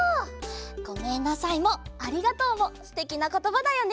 「ごめんなさい」も「ありがとう」もすてきなことばだよね！